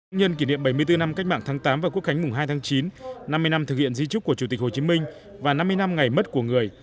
nhân kỷ niệm bảy mươi bốn năm cách mạng tháng tám và quốc khánh mùng hai tháng chín năm mươi năm thực hiện di trúc của chủ tịch hồ chí minh và năm mươi năm ngày mất của người